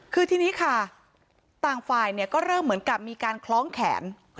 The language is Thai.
คือทีนี้ค่ะต่างฝ่ายก็เริ่มเหมือนกับมีการคล้องแขน